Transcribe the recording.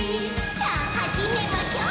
「さあ始めましょう！」